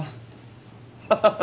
ハハハ